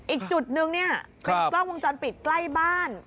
อีกจุดนึงเนี่ยเป็นกล้องวงจรปิดใกล้บ้าน